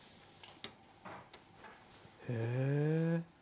へえ。